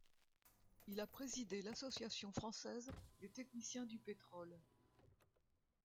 Il a présidé l'Association française des techniciens du pétrole.